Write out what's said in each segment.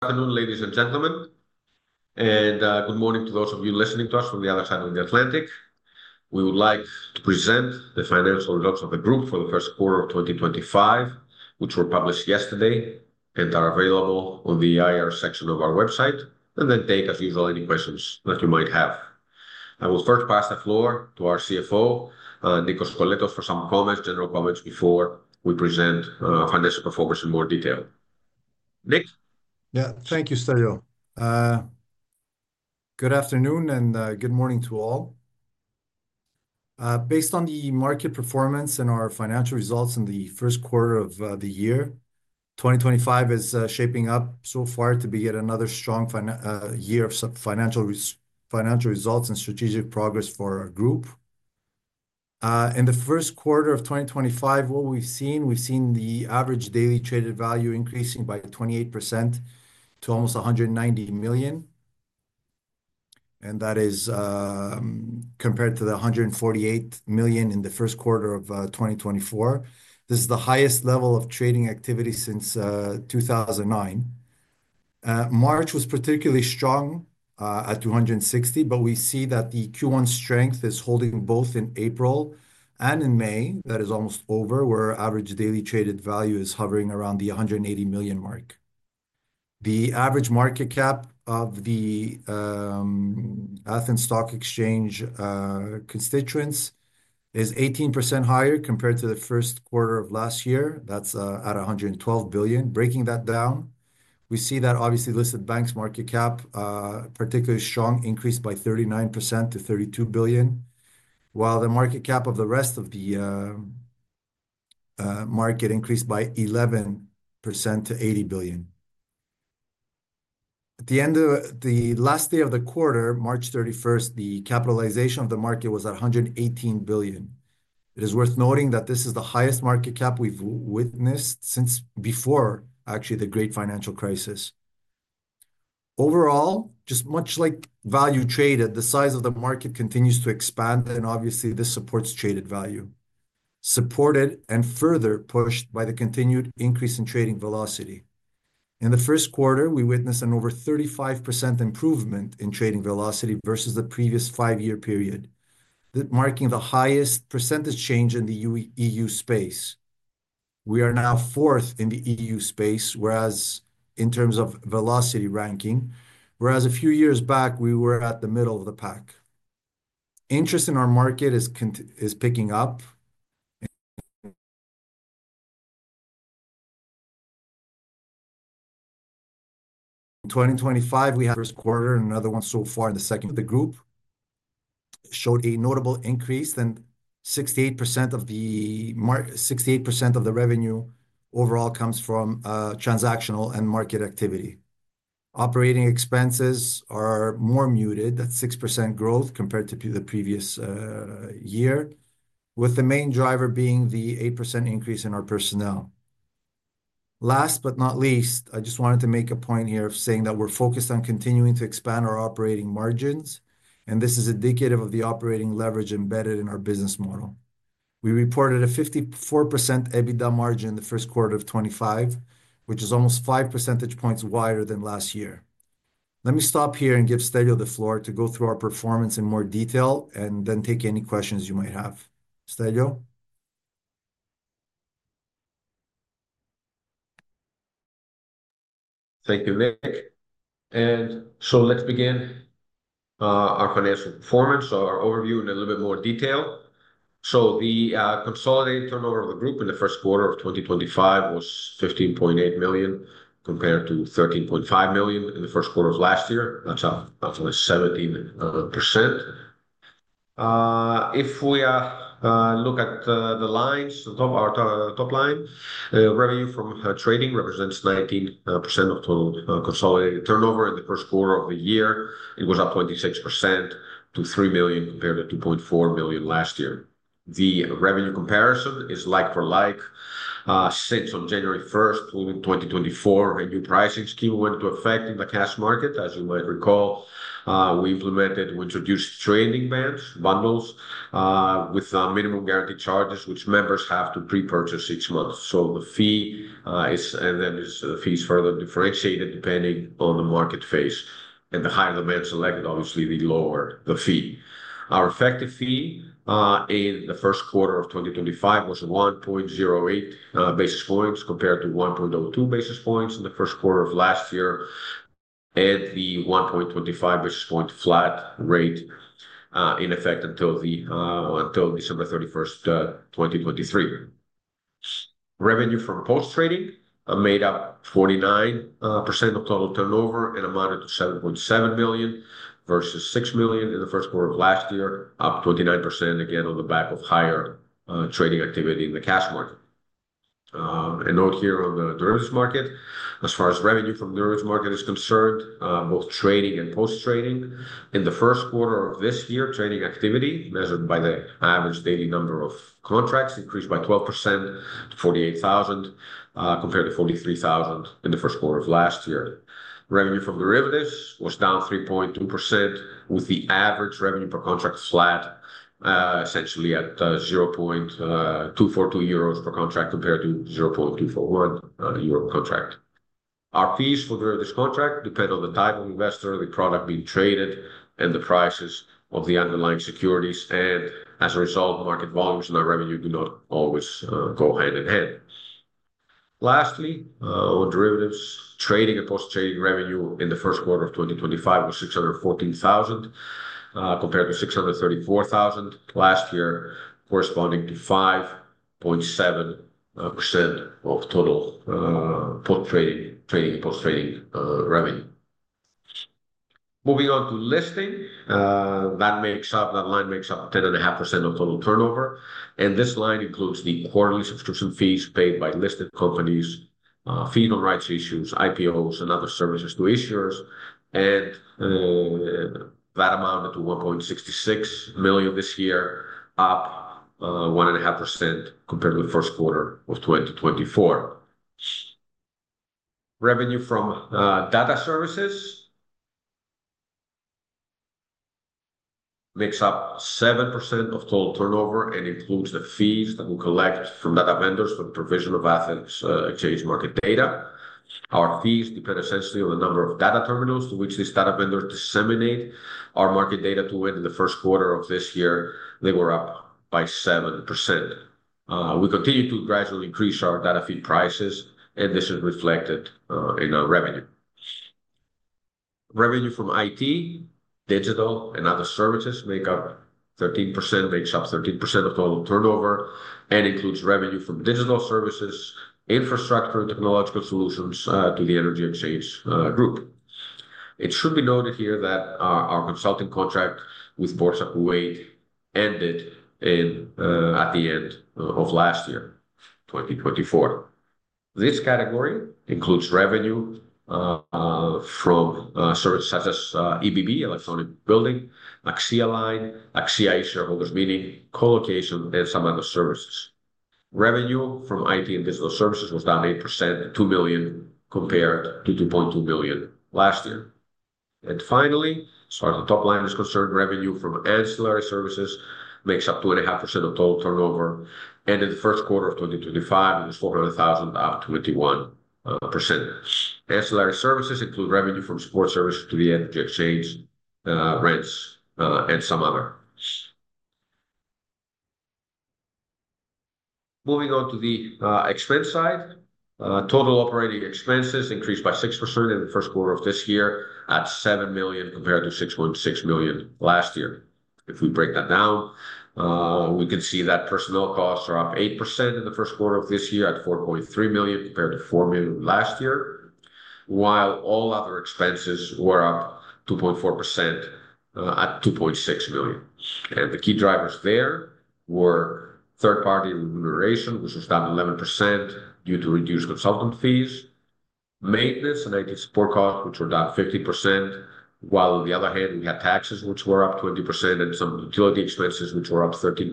Hello, ladies and gentlemen, and good morning to those of you listening to us from the other side of the Atlantic. We would like to present the financial results of the group for the first quarter of 2025, which were published yesterday and are available on the IR section of our website, and then take, as usual, any questions that you might have. I will first pass the floor to our CFO, Nick Koskoletos, for some general comments before we present financial performance in more detail. Nick? Yeah, thank you, Stelios. Good afternoon and good morning to all. Based on the market performance and our financial results in the first quarter of the year, 2025 is shaping up so far to be yet another strong year of financial results and strategic progress for our group. In the first quarter of 2025, what we've seen, we've seen the average daily traded value increasing by 28% to almost 190 million, and that is compared to the 148 million in the first quarter of 2024. This is the highest level of trading activity since 2009. March was particularly strong at 260 million, but we see that the Q1 strength is holding both in April and in May. That is almost over, where average daily traded value is hovering around the 180 million mark. The average market cap of the Athens Stock Exchange constituents is 18% higher compared to the first quarter of last year. That's at 112 billion. Breaking that down, we see that obviously listed banks market cap, particularly strong, increased by 39% to 32 billion, while the market cap of the rest of the market increased by 11% to 80 billion. At the end of the last day of the quarter, March 31, the capitalization of the market was at 118 billion. It is worth noting that this is the highest market cap we've witnessed since before, actually, the Great Financial Crisis. Overall, just much like value traded, the size of the market continues to expand, and obviously this supports traded value, supported and further pushed by the continued increase in trading velocity. In the first quarter, we witnessed an over 35% improvement in trading velocity versus the previous five-year period, marking the highest percentage change in the EU space. We are now fourth in the EU space, whereas in terms of velocity ranking, whereas a few years back we were at the middle of the pack. Interest in our market is picking up. In 2025, we had a first quarter and another one so far. The second of the group showed a notable increase than 68% of the revenue overall comes from transactional and market activity. Operating expenses are more muted. That's 6% growth compared to the previous year, with the main driver being the 8% increase in our personnel. Last but not least, I just wanted to make a point here of saying that we're focused on continuing to expand our operating margins, and this is indicative of the operating leverage embedded in our business model. We reported a 54% EBITDA margin in the first quarter of 2025, which is almost five percentage points wider than last year. Let me stop here and give Stelios the floor to go through our performance in more detail and then take any questions you might have. Stelios? Thank you, Nick. Let's begin our financial performance, our overview in a little bit more detail. The consolidated turnover of the group in the first quarter of 2025 was 15.8 million compared to 13.5 million in the first quarter of last year. That's a 17%. If we look at the lines, the top line, revenue from trading represents 19% of total consolidated turnover in the first quarter of the year. It was up 26% to 3 million compared to 2.4 million last year. The revenue comparison is like for like. Since on January 1, 2024, a new pricing scheme went into effect in the cash market. As you might recall, we implemented, we introduced trading bands, bundles with minimum guaranteed charges, which members have to pre-purchase six months. The fee is, and then the fee is further differentiated depending on the market phase. The higher the band selected, obviously the lower the fee. Our effective fee in the first quarter of 2025 was 1.08 basis points compared to 1.02 basis points in the first quarter of last year, and the 1.25 basis point flat rate in effect until December 31, 2023. Revenue from post-trading made up 49% of total turnover and amounted to 7.7 million versus 6 million in the first quarter of last year, up 29% again on the back of higher trading activity in the cash market. A note here on the derivatives market, as far as revenue from derivatives market is concerned, both trading and post-trading in the first quarter of this year, trading activity measured by the average daily number of contracts increased by 12%, 48,000 compared to 43,000 in the first quarter of last year. Revenue from derivatives was down 3.2%, with the average revenue per contract flat, essentially at 0.242 euros per contract compared to 0.241 euro per contract. Our fees for derivatives contract depend on the type of investor, the product being traded, and the prices of the underlying securities. As a result, the market volumes and our revenue do not always go hand in hand. Lastly, on derivatives, trading and post-trading revenue in the first quarter of 2025 was 614,000 compared to 634,000 last year, corresponding to 5.7% of total trading and post-trading revenue. Moving on to listing, that line makes up 10.5% of total turnover. This line includes the quarterly subscription fees paid by listed companies, fee and rights issues, IPOs, and other services to issuers. That amounted to 1.66 million this year, up 1.5% compared with the first quarter of 2024. Revenue from data services makes up 7% of total turnover and includes the fees that we collect from data vendors for the provision of Athens Exchange market data. Our fees depend essentially on the number of data terminals to which these data vendors disseminate our market data to. In the first quarter of this year, they were up by 7%. We continue to gradually increase our data fee prices, and this is reflected in our revenue. Revenue from IT, digital, and other services makes up 13% of total turnover and includes revenue from digital services, infrastructure, and technological solutions to the Hellenic Energy Exchange. It should be noted here that our consulting contract with Boursa Kuwait ended at the end of last year, 2024. This category includes revenue from services such as EBV, electronic building, Axia Line, Axia E-Serve, meaning colocation and some other services. Revenue from IT and digital services was down 8%, 2 million compared to 2.2 million last year. Finally, as far as the top line is concerned, revenue from ancillary services makes up 2.5% of total turnover. In the first quarter of 2025, it is 400,000, down 21%. Ancillary services include revenue from sports services to the energy exchange, rents, and some other. Moving on to the expense side, total operating expenses increased by 6% in the first quarter of this year at 7 million compared to 6.6 million last year. If we break that down, we can see that personnel costs are up 8% in the first quarter of this year at 4.3 million compared to 4 million last year, while all other expenses were up 2.4% at 2.6 million. The key drivers there were third-party remuneration, which was down 11% due to reduced consultant fees, maintenance and IT support costs, which were down 15%, while on the other hand, we had taxes which were up 20% and some utility expenses which were up 13%,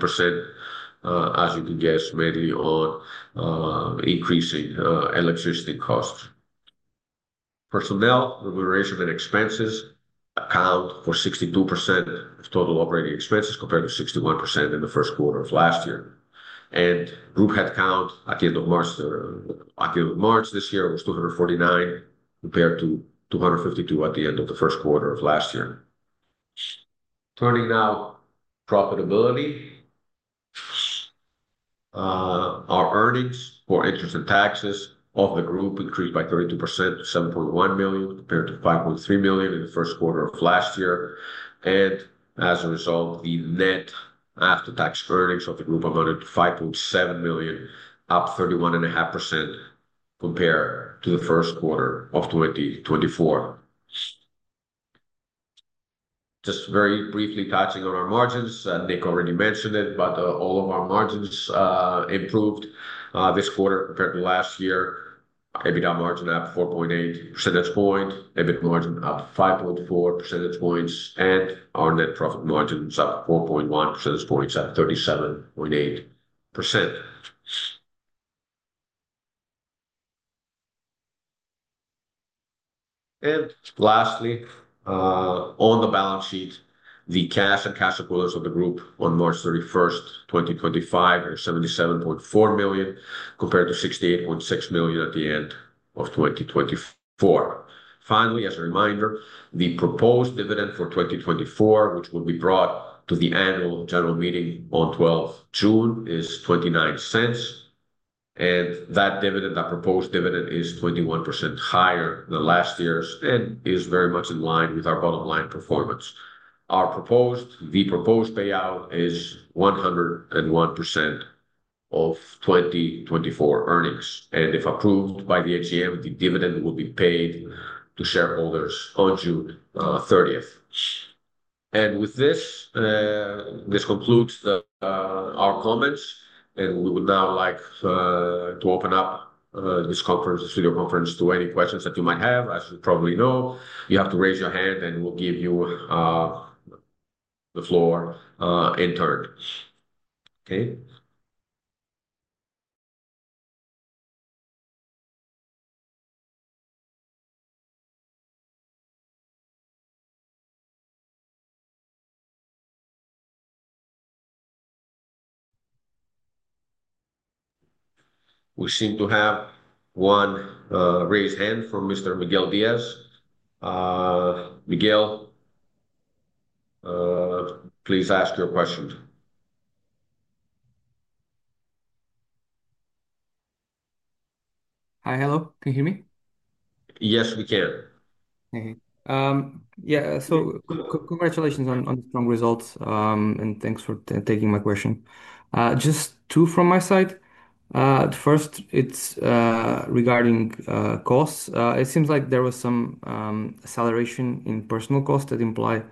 as you can guess, mainly on increasing electricity costs. Personnel remuneration and expenses account for 62% of total operating expenses compared to 61% in the first quarter of last year. Group headcount at the end of March this year was 249 compared to 252 at the end of the first quarter of last year. Turning now to profitability, our earnings for interest and taxes of the group increased by 32% to 7.1 million compared to 5.3 million in the first quarter of last year. As a result, the net after-tax earnings of the group amounted to 5.7 million, up 31.5% compared to the first quarter of 2024. Very briefly touching on our margins, and Nick already mentioned it, but all of our margins improved this quarter compared to last year. EBITDA margin up 4.8 percentage points, EBIT margin up 5.4 percentage points, and our net profit margin is up 4.1 percentage points at 37.8%. Lastly, on the balance sheet, the cash and cash equivalents of the group on March 31, 2025, are 77.4 million compared to 68.6 million at the end of 2024. Finally, as a reminder, the proposed dividend for 2024, which will be brought to the annual general meeting on 12th June, is 0.29. That proposed dividend is 21% higher than last year's and is very much in line with our bottom line performance. Our proposed, the proposed payout is 101% of 2024 earnings. If approved by the AGM, the dividend will be paid to shareholders on June 30th. This concludes our comments. We would now like to open up this conference, this video conference, to any questions that you might have. As you probably know, you have to raise your hand and we'll give you the floor in turn. Okay. We seem to have one raised hand from Mr. Miguel Diaz. Miguel, please ask your question. Hi, hello. Can you hear me? Yes, we can. Okay. Yeah, congratulations on strong results and thanks for taking my question. Just two from my side. First, it's regarding costs. It seems like there was some acceleration in personnel costs that implied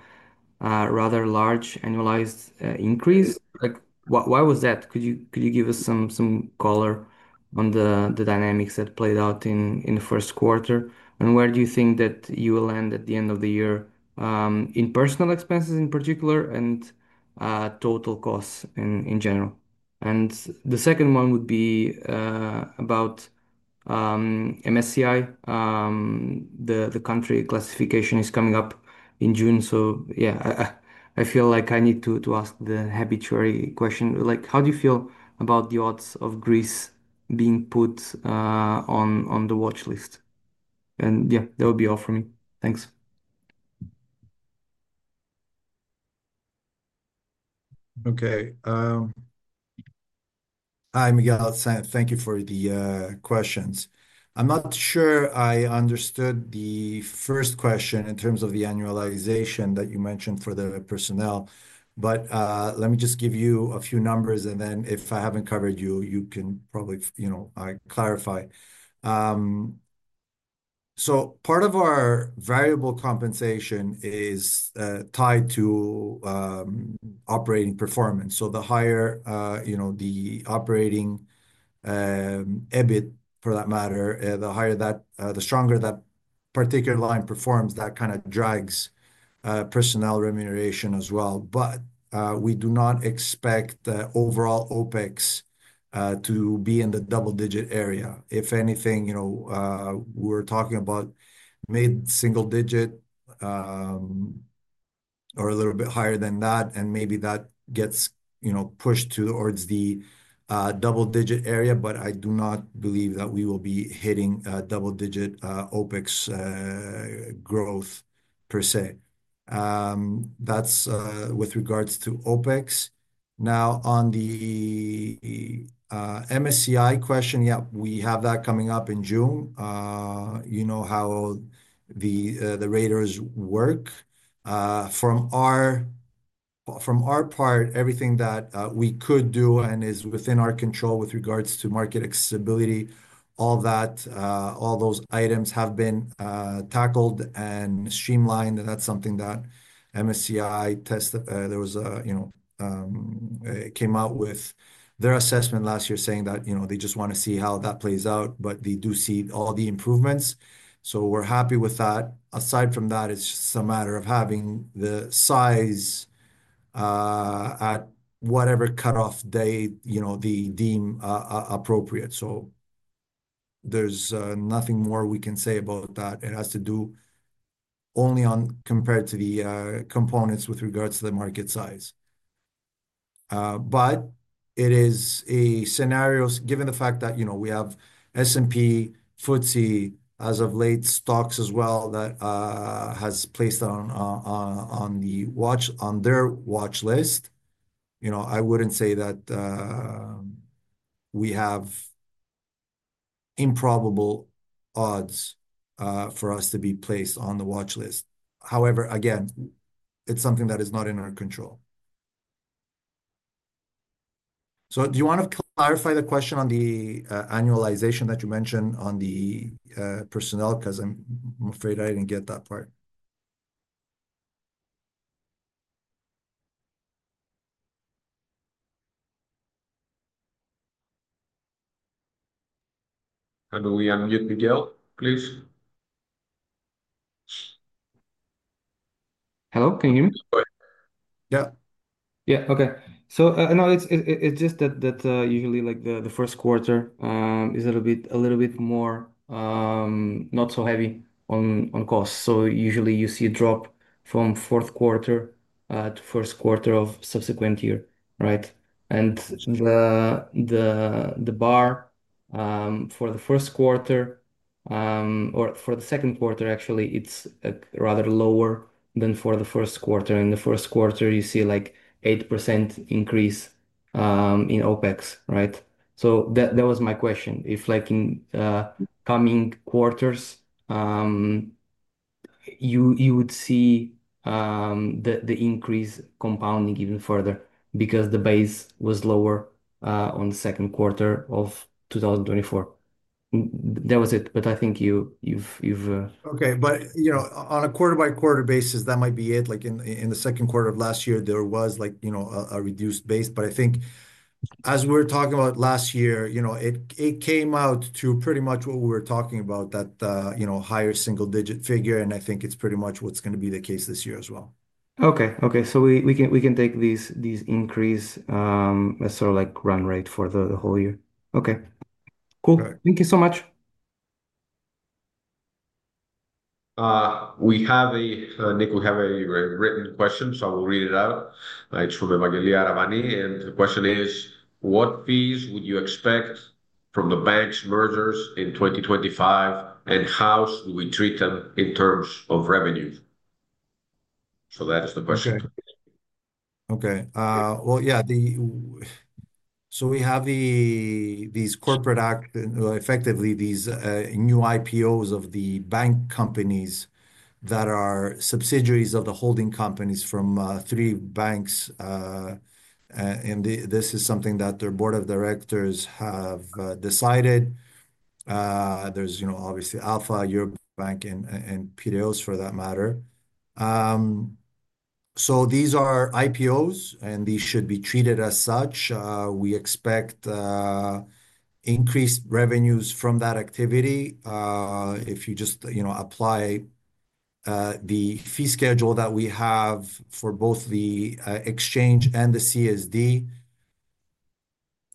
a rather large annualized increase. Why was that? Could you give us some color on the dynamics that played out in the first quarter? Where do you think that you will land at the end of the year in personnel expenses in particular and total costs in general? The second one would be about MSCI. The country classification is coming up in June. Yeah, I feel like I need to ask the habituary question. How do you feel about the odds of Greece being put on the watchlist? That would be all from me. Thanks. Okay. Hi, Miguel. Thank you for the questions. I'm not sure I understood the first question in terms of the annualization that you mentioned for the personnel. Let me just give you a few numbers, and then if I haven't covered you, you can probably clarify. Part of our variable compensation is tied to operating performance. The higher the operating EBIT, for that matter, the stronger that particular line performs, that kind of drags personnel remuneration as well. We do not expect the overall OpEx to be in the double-digit area. If anything, we're talking about mid-single digit or a little bit higher than that, and maybe that gets pushed towards the double-digit area. I do not believe that we will be hitting double-digit OpEx growth per se. That's with regards to OpEx. Now, on the MSCI question, yeah, we have that coming up in June. You know how the raters work. From our part, everything that we could do and is within our control with regards to market accessibility, all those items have been tackled and streamlined. That's something that MSCI, there was a came out with their assessment last year saying that they just want to see how that plays out, but they do see all the improvements. We're happy with that. Aside from that, it's just a matter of having the size at whatever cutoff they deem appropriate. There's nothing more we can say about that. It has to do only compared to the components with regards to the market size. It is a scenario, given the fact that we have S&P, FTSE, as of late, stocks as well that has placed on their watchlist. I wouldn't say that we have improbable odds for us to be placed on the watchlist. However, again, it's something that is not in our control. Do you want to clarify the question on the annualization that you mentioned on the personnel? Because I'm afraid I didn't get that part. I believe I'm muted, Miguel. Please. Hello, can you hear me? Yeah. Yeah, okay. No, it's just that usually the first quarter is a little bit more not so heavy on costs. Usually you see a drop from fourth quarter to first quarter of subsequent year, right? The bar for the first quarter or for the second quarter, actually, it's rather lower than for the first quarter. In the first quarter, you see like 8% increase in OpEx, right? That was my question. If in coming quarters, you would see the increase compounding even further because the base was lower on the second quarter of 2024. That was it. I think you've. Okay, but on a quarter-by-quarter basis, that might be it. In the second quarter of last year, there was a reduced base. I think as we're talking about last year, it came out to pretty much what we were talking about, that higher single-digit figure. I think it's pretty much what's going to be the case this year as well. Okay, okay. We can take these increases as sort of like run rate for the whole year. Okay. Cool. Thank you so much. We have a, Nick, we have a written question, so I will read it out. It is from Emmanuel Arvanitis. The question is, what fees would you expect from the banks' mergers in 2025, and how should we treat them in terms of revenues? That is the question. Okay Okay. Yeah, so we have these corporate acts, effectively these new IPOs of the bank companies that are subsidiaries of the holding companies from three banks. This is something that their board of directors have decided. There's obviously Alpha, Eurobank, and Piraeus for that matter. These are IPOs, and these should be treated as such. We expect increased revenues from that activity. If you just apply the fee schedule that we have for both the exchange and the CSD,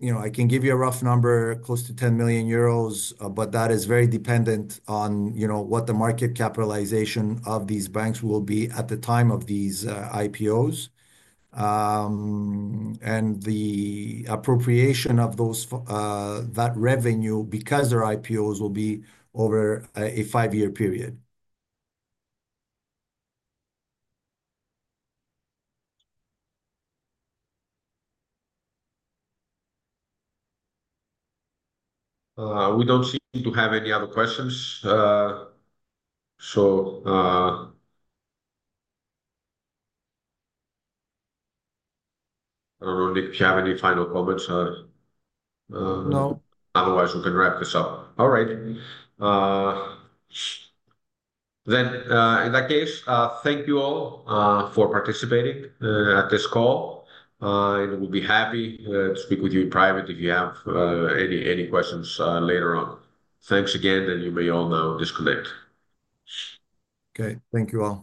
I can give you a rough number, close to 10 million euros, but that is very dependent on what the market capitalization of these banks will be at the time of these IPOs. The appropriation of that revenue, because their IPOs will be over a five-year period. We don't seem to have any other questions. I don't know, Nick, do you have any final comments? No. Otherwise, we can wrap this up. All right. In that case, thank you all for participating at this call. We will be happy to speak with you in private if you have any questions later on. Thanks again, and you may all now disconnect. Okay. Thank you all.